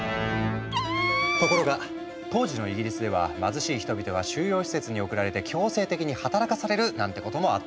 ところが当時のイギリスでは貧しい人々が収容施設に送られて強制的に働かされるなんてこともあった。